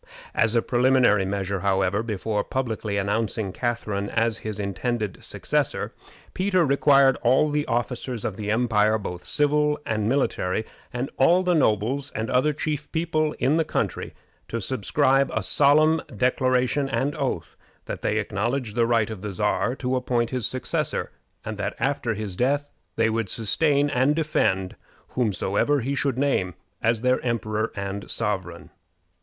As a preliminary measure, however, before publicly announcing Catharine as his intended successor, Peter required all the officers of the empire, both civil and military, and all the nobles and other chief people of the country, to subscribe a solemn declaration and oath that they acknowledged the right of the Czar to appoint his successor, and that after his death they would sustain and defend whomsoever he should name as their emperor and sovereign.